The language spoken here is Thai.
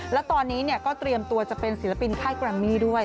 แล้วตอนนี้เนี่ยก็เตรียมตัวจะเป็นศิลปินใคร้กรามมีด้วย